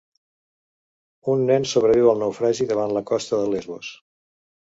Un nen sobreviu al naufragi davant la costa de Lesbos